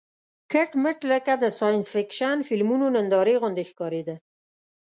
کټ مټ لکه د ساینس فېکشن فلمونو نندارې غوندې ښکارېده.